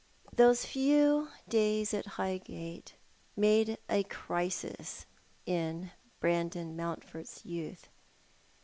Those few days at Highgate made a crisis in Brandon Mount ford's youth.